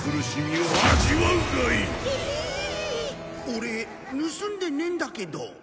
オレ盗んでねえんだけど。